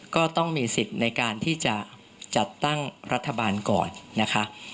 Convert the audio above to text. ก็ต้องมีสิทธิ์ในการที่จะจัดตั้งรัฐบาลก่อนนะคะ